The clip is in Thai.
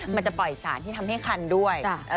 มันจะปล่อยสารที่ทำให้คันด้วย